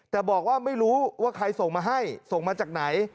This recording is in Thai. แต่บอกว่าไม่รู้ว่าใครส่งมาให้ส่งมาจากไหน